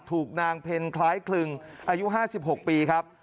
ถูกนางเพ็ญคล้ายคลึงอายุ๕๖ปีครับ